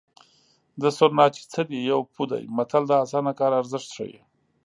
د سورناچي څه دي یو پو دی متل د اسانه کار ارزښت ښيي